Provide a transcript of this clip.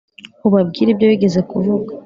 ubabwire ibyo wigeze kuvuga.